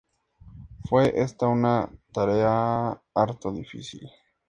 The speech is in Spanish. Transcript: Fue esta una tarea harto difícil.